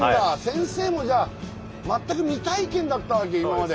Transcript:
先生もじゃあ全く未体験だったわけ今まで。